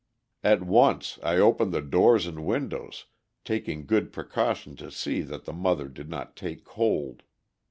At once I opened the doors and windows, taking good precaution to see that the mother did not take cold.